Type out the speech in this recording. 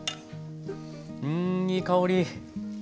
うんいい香り！